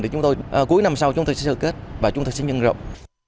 để chúng tôi cuối năm sau chúng tôi sẽ sửa kết và chúng tôi sẽ nhân rộng